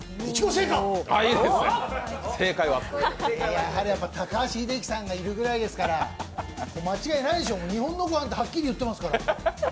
やはり高橋英樹さんがいるぐらいですから間違いないでしょう日本のごはんってはっきり言ってますから。